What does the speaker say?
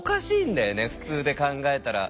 普通で考えたら。